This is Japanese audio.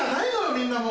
みんなも。